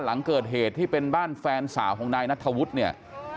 หลังเกิดเหตุที่เป็นบ้านแฟนสาวของนายนัทธวุฒิเนี่ย